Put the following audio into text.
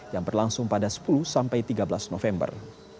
yang berlangsung pada sepuluh sampai tiga belas november